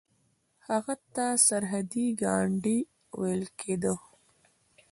هغه ته سرحدي ګاندي ویل کیده.